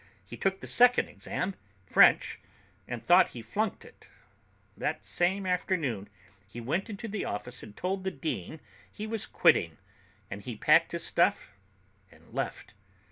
He took the second exam, French, and thought he flunked it. That same afternoon he went into the office and told the dean he was quitting, and he packed his stuff and left.